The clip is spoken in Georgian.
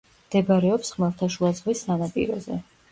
მდებარეობს ხმელთაშუა ზღვის სანაპიროზე.